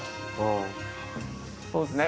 そうですね